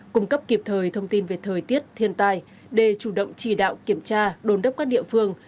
cung cấp kịp thời thông tin về thời tiết thiên tai để chủ động chỉ đạo kiểm tra đồn đốc các địa phương